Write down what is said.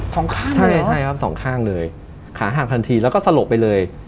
สองข้างใช่ใช่ครับสองข้างเลยขาหักทันทีแล้วก็สลบไปเลย